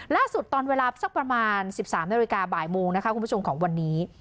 ตอนเวลาสักประมาณ๑๓นาฬิกาบ่ายโมงนะคะคุณผู้ชมของวันนี้